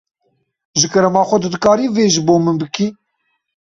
Ji kerema xwe tu dikarî vê ji bo min bikî?